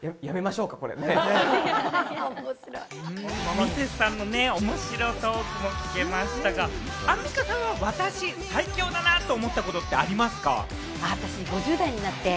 ミセスさんのね、おもしろトークも聞けましたが、アンミカさんは私、最強だなと思ったことってありますか？